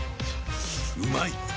うまい！